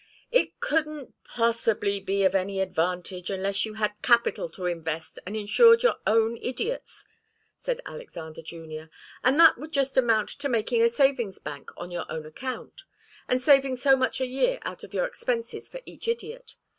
"It couldn't possibly be of any advantage unless you had capital to invest and insured your own idiots," said Alexander Junior. "And that would just amount to making a savings bank on your own account, and saving so much a year out of your expenses for each idiot.